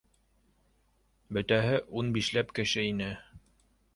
Бөтәһе ун бишләп кеше ине.